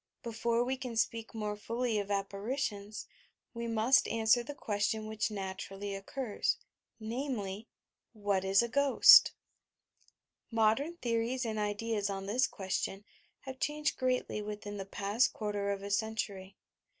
Before we ean speak more fully of apparitions, we must answer the question which natu rally occurs; namely: WHAT IS A "GHOST"t Modern theories and ideas on this question have changed greatly within the past quarter of a century.